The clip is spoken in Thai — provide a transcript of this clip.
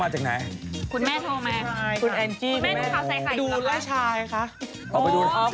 ไม่ใช่นะครับ